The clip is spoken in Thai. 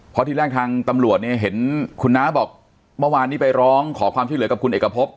เพราะที่แรกทางตำรวจเนี่ยเห็นคุณน้าบอกเมื่อวานนี้ไปร้องขอความช่วยเหลือกับคุณเอกพบ